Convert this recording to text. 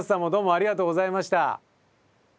ありがとうございます。